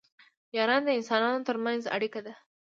یارانه د انسانانو ترمنځ اړیکه ده